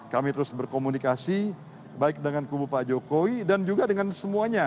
kami terus berkomunikasi baik dengan kubu pak jokowi dan juga dengan semuanya